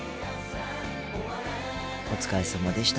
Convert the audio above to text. お疲れさまでした。